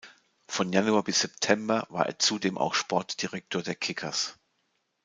Von Januar bis September war er zudem auch Sportdirektor der Kickers.